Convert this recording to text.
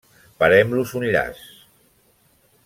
Parem-los un llaç.